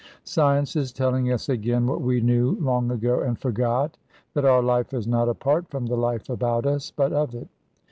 Science is telling us again what we knew long ago and forgot, that our life is not apart from the life about us, but of it.